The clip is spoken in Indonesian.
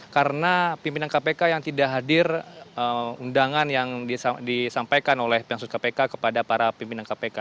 karena pimpinan kpk yang tidak hadir undangan yang disampaikan oleh pansus kpk kepada para pimpinan kpk